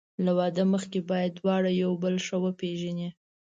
له واده مخکې باید دواړه یو بل ښه وپېژني.